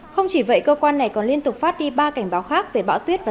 không chỉ vậy cơ quan này còn liên tục phát đi ba cảnh báo khác về bão tuyết và